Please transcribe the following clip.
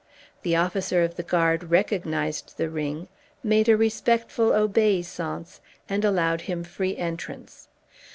The officer of the guard recognized the ring, made a respectful obeisance, and allowed him free entrance.